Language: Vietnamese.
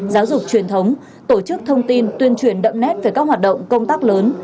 giáo dục truyền thống tổ chức thông tin tuyên truyền đậm nét về các hoạt động công tác lớn